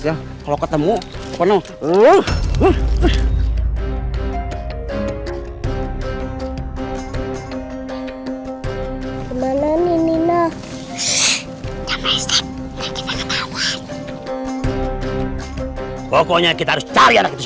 ya mana anaknya gak ada akang